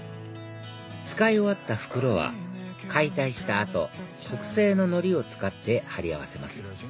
使い終わった袋は解体した後特製ののりを使って貼り合わせます